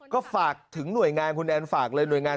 ก็ฝากถึงหน่วยงานคุณแอนฝากเลยหน่วยงาน